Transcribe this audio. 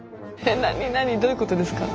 何何どういうことですか？